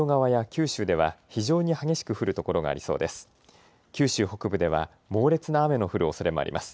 九州北部では猛烈な雨の降るおそれもあります。